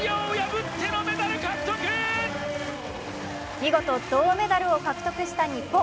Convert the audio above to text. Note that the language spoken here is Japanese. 見事、銅メダルを獲得した日本。